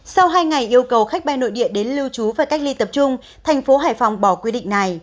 sau hai ngày yêu cầu khách bay nội địa đến lưu trú và cách ly tập trung thành phố hải phòng bỏ quy định này